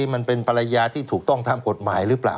มันเป็นภรรยาที่ถูกต้องตามกฎหมายหรือเปล่า